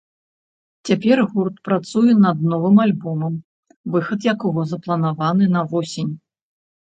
Цяпер гурт працуе над новым альбомам, выхад якога запланаваны на восень.